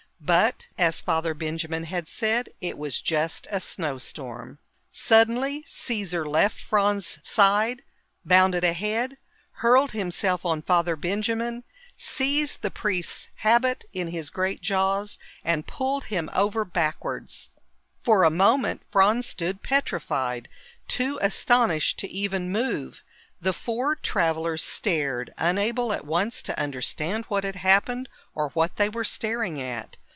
But, as Father Benjamin had said, it was just a snowstorm. Suddenly, Caesar left Franz's side, bounded ahead, hurled himself on Father Benjamin, seized the priest's habit in his great jaws, and pulled him over backwards. For a moment, Franz stood petrified, too astonished to even move. The four travelers stared, unable at once to understand what had happened or what they were staring at.